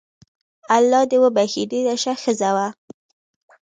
الله دي وبخښي ډیره شه ښځه وو